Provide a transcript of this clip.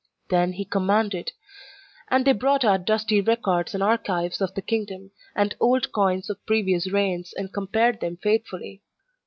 Then he commanded, and they brought out dusty records and archives of the kingdom, and old coins of previous reigns, and compared them faithfully.